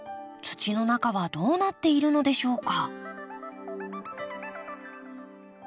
土の中はどうなっているのでしょうか？